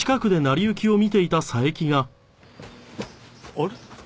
あれ？